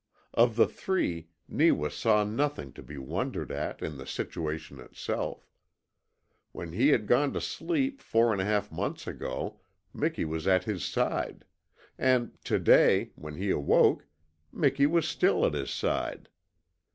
Of the three, Neewa saw nothing to be wondered at in the situation itself. When he had gone to sleep four and a half months ago Miki was at his side; and to day, when he awoke, Miki was still at his side.